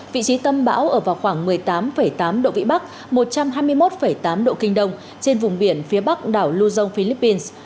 vị trí tâm bão ở vào khoảng một mươi tám tám độ vĩ bắc một trăm hai mươi một tám độ kinh đông trên vùng biển phía bắc đảo luzon philippines